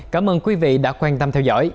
cảm ơn quý vị đã quan tâm theo dõi